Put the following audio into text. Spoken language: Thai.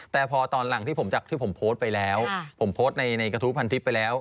แต่พอตอนหลังที่ผมโพสต์ไปแล้วผมโพสต์ในกระทุบพันทิศไปแล้ว